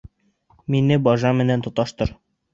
Мине бажа менән тоташтыр!